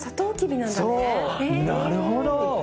なるほどね。